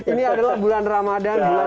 ini adalah bulan ramadan